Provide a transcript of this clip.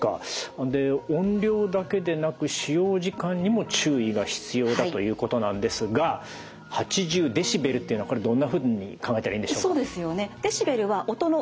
音量だけでなく使用時間にも注意が必要だということなんですが８０デシベルっていうのはこれどんなふうに考えたらいいんでしょうか？